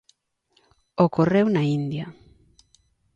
Ocorreu na India.